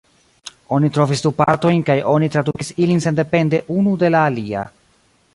Oni trovis du partojn kaj oni tradukis ilin sendepende unu de la alia.